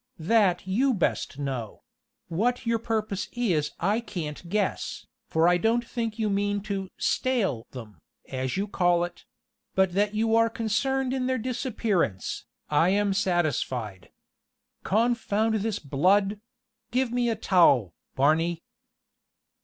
"That you best know: what your purpose is I can't guess, for I don't think you mean to 'stale' them, as you call it; but that you are concerned in their disappearance, I am satisfied. Confound this blood! give me a towel, Barney."